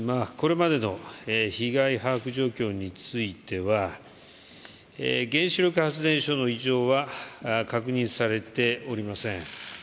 これまでの被害把握状況については原子力発電所の異常は確認されておりません。